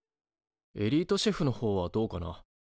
エリートシェフのほうはどうかな？